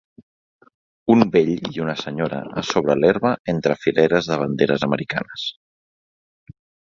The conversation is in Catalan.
Un vell i una senyora a sobre l'herba entre fileres de banderes americanes.